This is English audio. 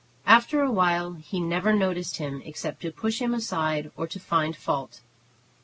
After awhile he never noticed him except to push him aside or to find fault.